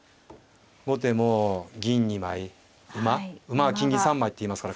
後手も銀２枚馬「馬は金銀３枚」って言いますから。